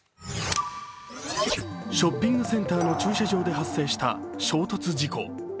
ショッピングセンターの駐車場で発生した衝突事故。